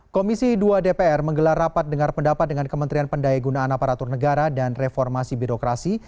komisi dua dpr menggelar rapat dengar pendapat dengan kementerian pendaya gunaan aparatur negara dan reformasi birokrasi